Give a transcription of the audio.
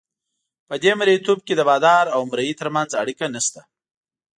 په دې مرییتوب کې د بادار او مریي ترمنځ اړیکه نشته.